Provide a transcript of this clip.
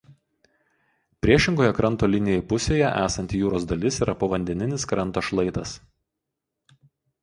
Priešingoje kranto linijai pusėje esanti jūros dalis yra povandeninis kranto šlaitas.